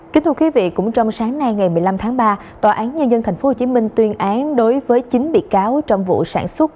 kính thưa quý vị cũng trong sáng nay ngày một mươi năm tháng ba tòa án nhân dân tp hcm tuyên án đối với chín bị cáo trong vụ sản xuất